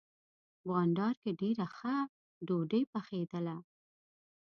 بانډار کې ډېره ښه ډوډۍ پخېدله.